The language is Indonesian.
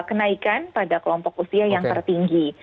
kenaikan pada kelompok usia yang tertinggi